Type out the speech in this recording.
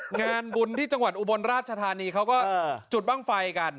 งานบุญที่จังหวัดอุบลราชธานีเขาก็จุดบ้างไฟกัน